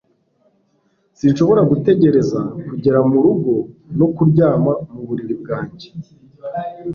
Sinshobora gutegereza kugera mu rugo no kuryama mu buriri bwanjye